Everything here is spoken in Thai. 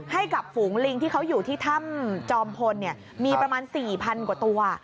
ฝูงลิงที่เขาอยู่ที่ถ้ำจอมพลมีประมาณ๔๐๐๐กว่าตัว